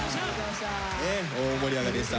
大盛り上がりでした。